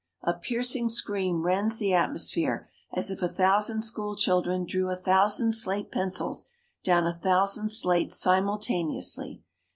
A piercing scream rends the atmosphere, as if a thousand school children drew a thousand slate pencils down a thousand slates simultaneously.